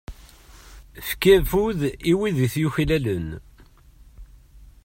Efk afud i wid i t-yuklalen.